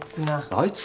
あいつ？